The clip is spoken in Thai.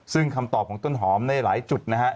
ซึ่งคำตอบของต้นหอมในหลายจุดนะฮะ